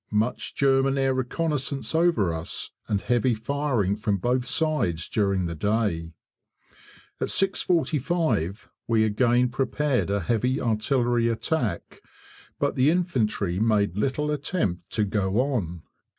Much German air reconnaissance over us, and heavy firing from both sides during the day. At 6.45 we again prepared a heavy artillery attack, but the infantry made little attempt to go on.